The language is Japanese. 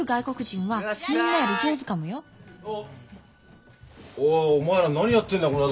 おいお前ら何やってんだこんなとこで。